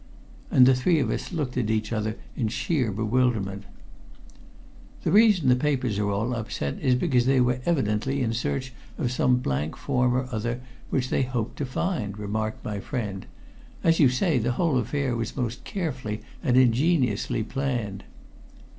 And the three of us looked at each other in sheer bewilderment. "The reason the papers are all upset is because they were evidently in search of some blank form or other, which they hoped to find," remarked my friend. "As you say, the whole affair was most carefully and ingeniously planned."